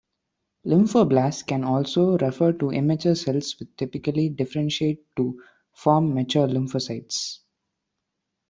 Lymphoblasts can also refer to immature cells which typically differentiate to form mature lymphocytes.